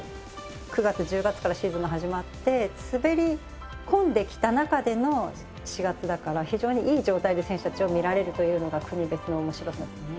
９月１０月からシーズンが始まって滑り込んできた中での４月だから非常にいい状態で選手たちを見られるというのが国別の面白さですね。